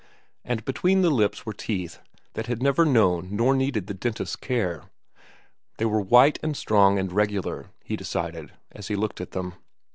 And between the lips were teeth that had never known nor needed the dentist's care. They were white and strong and regular, he decided, as he looked at them.